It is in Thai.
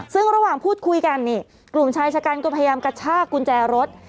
ซึ่งระหว่างพูดคุยกันนี่กลุ่มชายชะกันก็พยายามกระชากกุญแจรถ